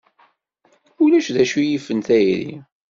Ulac d acu yifen tayri.